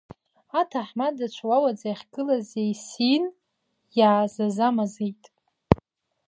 Аҭаҳмадацәа уауаӡа иахьгылаз еисиин, иаазазамазеит.